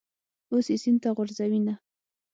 اوس یې سین ته غورځوینه.